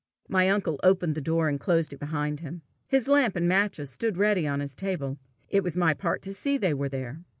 My uncle opened the door, and closed it behind him. His lamp and matches stood ready on his table: it was my part to see they were there.